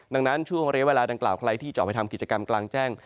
ดังนั้นช่วงเรียกเวลาดังกล่าวใครที่จะออกไปทำกิจกรรมกลางแจ้ง